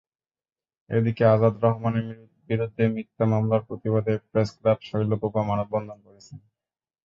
এদিকে আজাদ রহমানের বিরুদ্ধে মিথ্যা মামলার প্রতিবাদে প্রেসক্লাব শৈলকুপা মানববন্ধন করেছে।